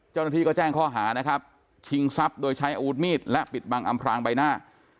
เจ้าหน้าที่ก็แจ้งข้อหานะครับชิงทรัพย์โดยใช้อาวุธมีดและปิดบังอำพรางใบหน้า